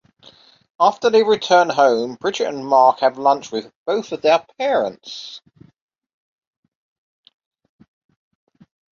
After they return home, Bridget and Mark have lunch with both of their parents.